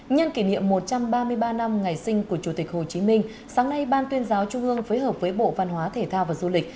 nhân kỷ niệm một trăm ba mươi ba năm ngày sinh của chủ tịch hồ chí minh sáng nay ban tuyên giáo trung ương phối hợp với bộ văn hóa thể thao và du lịch